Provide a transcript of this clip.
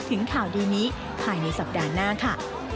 ถึงข่าวดีนี้ภายในสัปดาห์หน้าค่ะ